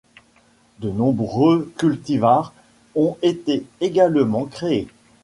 De nombreux cultivars ont été également créés.